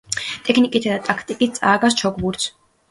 ტექნიკითა და ტაქტიკით წააგავს ჩოგბურთს.